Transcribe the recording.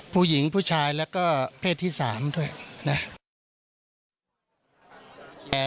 ผู้หญิงผู้ชายและก็เภสต์ที่๓ด้วยนะ